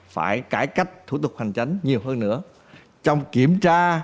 phải cải cách thủ tục hành chính nhiều hơn nữa trong kiểm tra